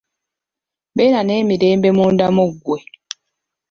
Beera n’emirembe munda mu ggwe.